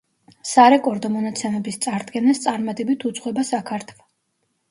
სარეკორდო მონაცემების წარდგენას წარმატებით უძღვება საქართვ.